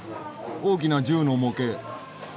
大きな銃の模型。